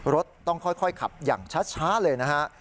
รถต้องค่อยขับอย่างช้าเลยนะฮะ